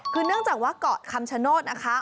คือเนื่องจากว่าเกาะคำชโนธนะคะ